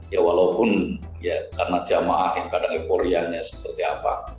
ya walaupun ya karena jemaah yang kadang kadang korean ya seperti apa